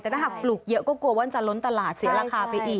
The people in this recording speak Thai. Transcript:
แต่ถ้าหากปลูกเยอะก็กลัวว่าจะล้นตลาดเสียราคาไปอีก